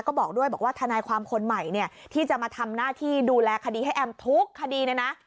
ก็บอกด้วยบอกว่าทนายความคนใหม่เนี่ยที่จะมาทำหน้าที่ดูแลคดีให้แอมทุกคดีเนี่ยนะ